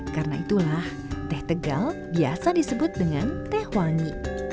karena itulah teh tegal biasa disebut dengan teh wangi